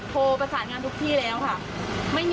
กำลังทำอะไรประมาณนี้ค่ะ